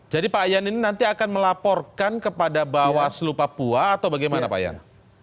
jadi pak yan ini nanti akan melaporkan kepada bawaslu papua atau bagaimana pak yan